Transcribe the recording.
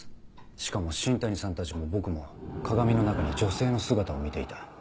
しかも新谷さんたちも僕も鏡の中に女性の姿を見ていた。